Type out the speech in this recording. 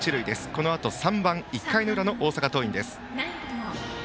このあと３番１回の裏の大阪桐蔭です。